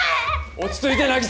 落ち着いて渚！